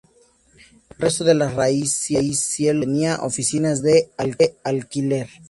El resto del rascacielos contenía oficinas de alquiler.